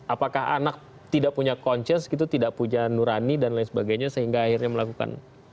apakah anak tidak punya conces gitu tidak punya nurani dan lain sebagainya sehingga akhirnya melakukan